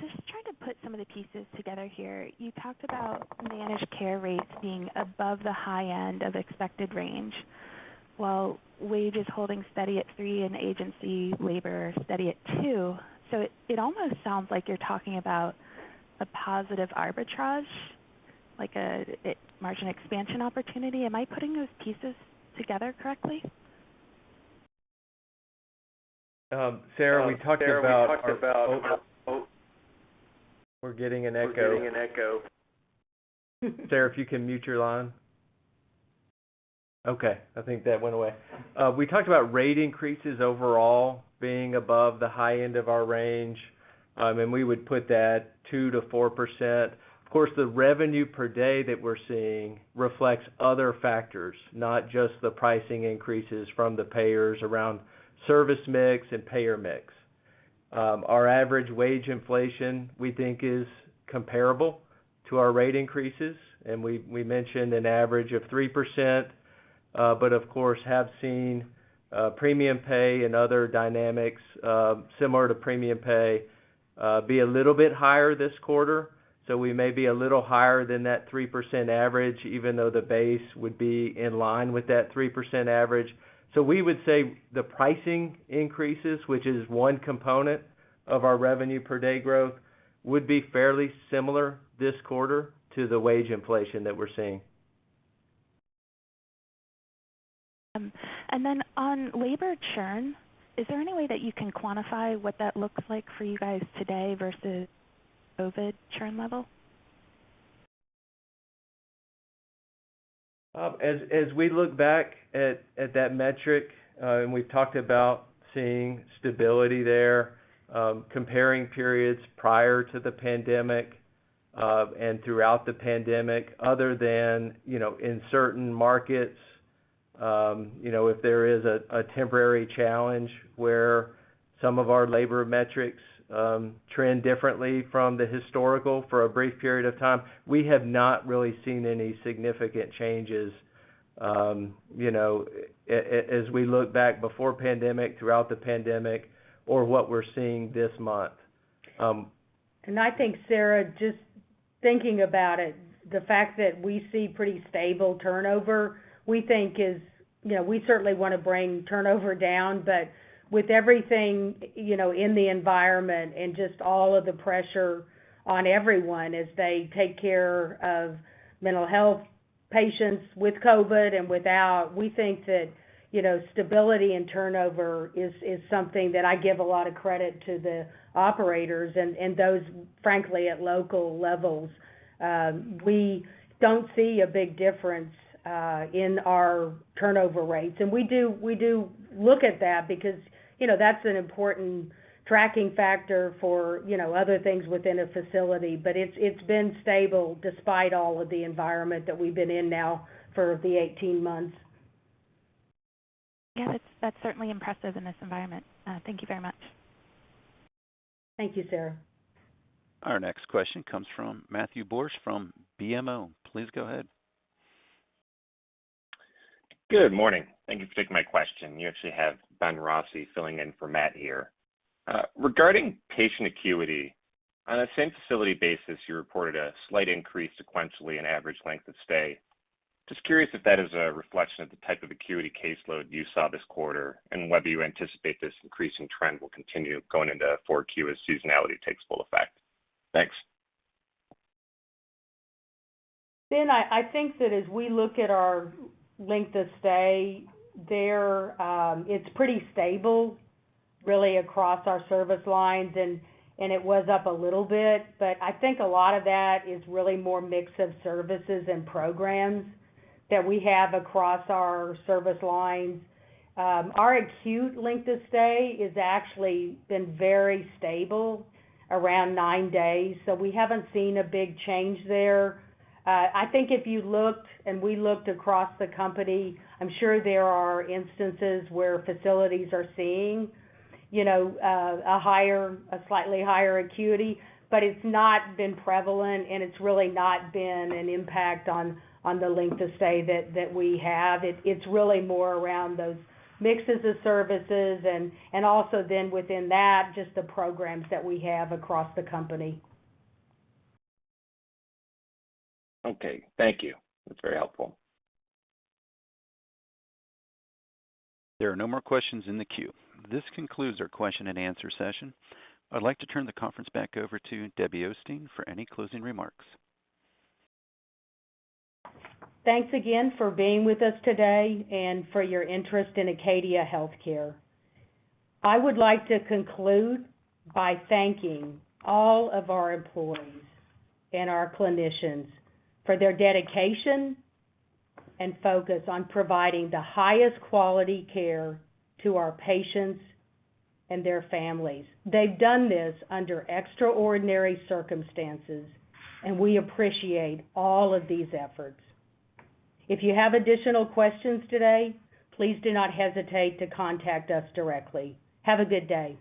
Just trying to put some of the pieces together here. You talked about managed care rates being above the high end of expected range, while wage is holding steady at 3% and agency labor steady at 2%. It almost sounds like you're talking about a positive arbitrage, like a margin expansion opportunity. Am I putting those pieces together correctly? Sarah, we talked about rate increases overall being above the high end of our range. We would put that 2%-4%. Of course, the revenue per day that we're seeing reflects other factors, not just the pricing increases from the payers around service mix and payer mix. Our average wage inflation, we think is comparable to our rate increases, and we mentioned an average of 3%, but of course, have seen premium pay and other dynamics similar to premium pay be a little bit higher this quarter. We may be a little higher than that 3% average, even though the base would be in line with that 3% average. We would say the pricing increases, which is one component of our revenue per day growth, would be fairly similar this quarter to the wage inflation that we're seeing. Then on labor churn, is there any way that you can quantify what that looks like for you guys today versus COVID churn level? As we look back at that metric, and we've talked about seeing stability there, comparing periods prior to the pandemic, and throughout the pandemic, other than, you know, in certain markets, you know, if there is a temporary challenge where some of our labor metrics trend differently from the historical for a brief period of time, we have not really seen any significant changes, you know, as we look back before pandemic, throughout the pandemic or what we're seeing this month. I think, Sarah, just thinking about it, the fact that we see pretty stable turnover, we think is, you know, we certainly wanna bring turnover down, but with everything, you know, in the environment and just all of the pressure on everyone as they take care of mental health patients with COVID and without, we think that, you know, stability and turnover is something that I give a lot of credit to the operators and those, frankly, at local levels. We don't see a big difference in our turnover rates. We do look at that because, you know, that's an important tracking factor for, you know, other things within a facility. It's been stable despite all of the environment that we've been in now for the 18 months. Yeah, that's certainly impressive in this environment. Thank you very much. Thank you, Sarah. Our next question comes from Matthew Borsch from BMO. Please go ahead. Good morning. Thank you for taking my question. You actually have Benjamin Rossi filling in for Matt here. Regarding patient acuity, on a same facility basis, you reported a slight increase sequentially in average length of stay. Just curious if that is a reflection of the type of acuity caseload you saw this quarter, and whether you anticipate this increasing trend will continue going into Q4 as seasonality takes full effect. Thanks. Ben, I think that as we look at our length of stay there, it's pretty stable really across our service lines and it was up a little bit, but I think a lot of that is really more the mix of services and programs that we have across our service lines. Our acute length of stay is actually been very stable, around nine days. We haven't seen a big change there. I think if you looked and we looked across the company, I'm sure there are instances where facilities are seeing a slightly higher acuity, but it's not been prevalent, and it's really not been an impact on the length of stay that we have. It's really more around those mixes of services and also then within that, just the programs that we have across the company. Okay, thank you. That's very helpful. There are no more questions in the queue. This concludes our question and answer session. I'd like to turn the conference back over to Debbie Osteen for any closing remarks. Thanks again for being with us today and for your interest in Acadia Healthcare. I would like to conclude by thanking all of our employees and our clinicians for their dedication and focus on providing the highest quality care to our patients and their families. They've done this under extraordinary circumstances, and we appreciate all of these efforts. If you have additional questions today, please do not hesitate to contact us directly. Have a good day.